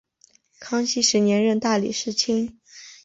康熙十年任大理寺卿。